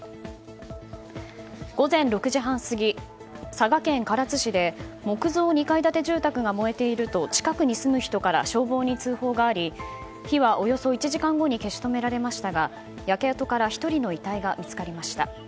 午前６時半過ぎ、佐賀県唐津市で木造２階建て住宅が燃えていると近くに住む人から消防に通報があり火はおよそ１時間後に消し止められましたが焼け跡から１人の遺体が見つかりました。